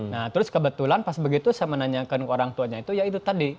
nah terus kebetulan pas begitu saya menanyakan ke orang tuanya itu ya itu tadi